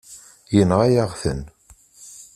Yenɣa-yaɣ-ten.